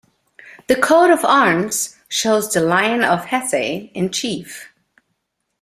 The coat of arms shows the lion of Hesse in chief.